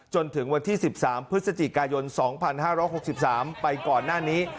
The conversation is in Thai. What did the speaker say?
จนถึงวันที่๑๓พฤศจิกายน๒๕๖๓ไปก่อนหน้านี้